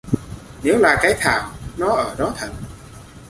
Nếu là Cái Thảo nó ở đó thật